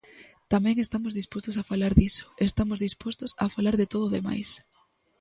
Tamén estamos dispostos a falar diso, estamos dispostos a falar de todo o demais.